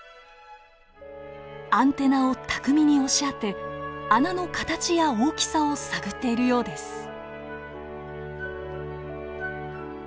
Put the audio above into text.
アンテナを巧みに押し当て穴の形や大きさを探っているようです。